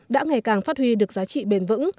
đã ngày càng phát huy được giá trị bền vững